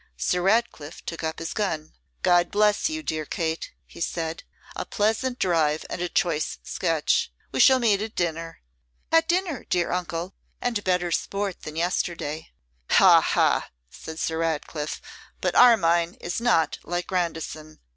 Sir Ratcliffe took up his gun. 'God bless you, dear Kate,' he said; 'a pleasant drive and a choice sketch. We shall meet at dinner.' 'At dinner, dear uncle; and better sport than yesterday.' 'Ha! ha!' said Sir Ratcliffe. 'But Armine is not like Grandison.